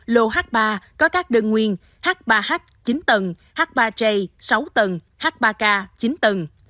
lô h ba có các đơn nguyên h ba h chín tầng h ba j sáu tầng h ba k chín tầng